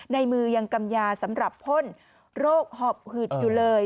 ในมือยังกำยาสำหรับพ่นโรคหอบหึดอยู่เลย